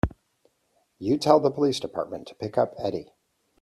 You tell the police department to pick up Eddie.